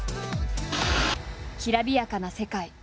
きらびやかな世界。